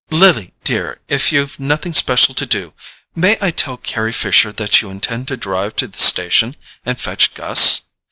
"Lily, dear, if you've nothing special to do, may I tell Carry Fisher that you intend to drive to the station and fetch Gus?